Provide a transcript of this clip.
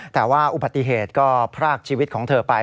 แต่ว่าอุบัติเหตุก็พรากชีวิตของเธอไป